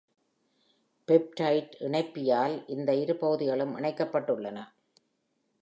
peptide இணைப்பியால் இந்த இரு பகுதிகளும் இணைக்கப்பட்டுள்ளன.